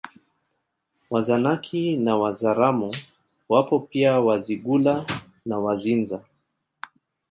Wazanaki na Wazaramo wapo pia Wazigula na Wazinza